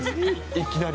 いきなり？